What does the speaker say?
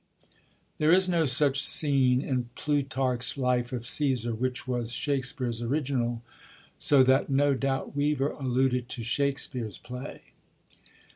There is no such scene in Plutarch's Life of OaBsar, which was Shakspere's original, so that no doubt Weever alluded to Shakspere's play.